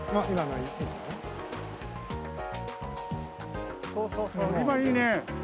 今いいね！